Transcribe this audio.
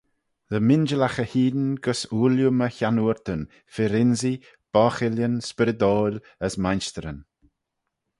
Dy m'injillaghey hene gys ooilley my chiannoortyn, fir-ynsee, bochillyn spyrrydoil as mainshtyryn.